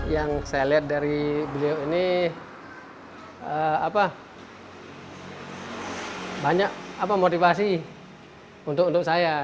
yang saya lihat dari beliau ini banyak motivasi untuk saya